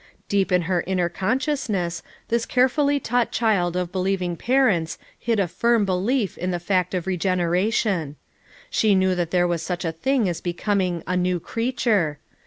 Deep in her inner consciousness this carefully taught child of be lieving parents hid a firm belief in the fact of 386 FOUR MOTHERS AT CHAUTAUQUA regeneration. She knew tbat there was such a thing as becoming a "new creature."